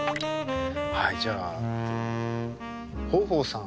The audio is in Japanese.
はいじゃあ豊豊さん